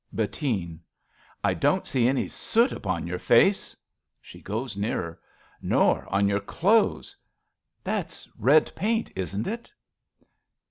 Bettine. I don't see any soot upon your face. (*S^^e goes nearer.) Nor on your clothes. That's red paint, isn't it?